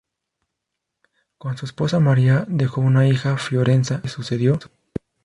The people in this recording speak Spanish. Con su esposa María, dejó una hija, Fiorenza, que le sucedió.